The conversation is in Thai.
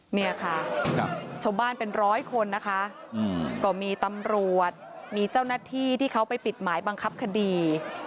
เนี่ยค่ะชาวบ้านเป็นร้อยคนนะคะก็มีตำรวจมีเจ้าหน้าที่ที่เขาไปปิดหมายบังคับคดี